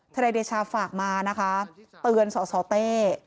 นายเดชาฝากมานะคะเตือนสสเต้